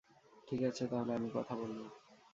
ঠিক আছে তাহলে, আমি কথা বলবো।